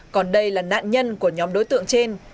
còn đây là nạn nhân của nhóm đối tượng trên